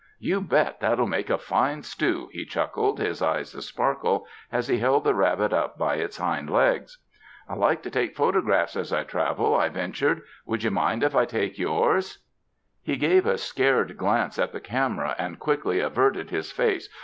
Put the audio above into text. "You bet that'll make a fine stew," he chuckled, his eyes a sparkle, as he held the rabbit up by its hind legs. "I like to take photographs as T travel," I ven tured; "would you mind if I take yours!" 145 UNDER THE SKY IN CALIFORNIA He gave a seared glanee at the camera and quickly averted his face.